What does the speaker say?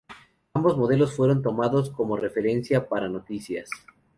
Ambos modelos fueron tomados como referencia para "Noticias".